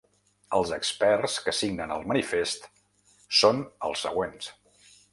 Els experts que signen el manifest són els següents.